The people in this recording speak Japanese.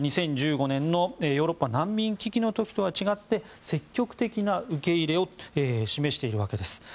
２０１５年のヨーロッパ難民危機の時とは違って積極的な受け入れを示しているわけです。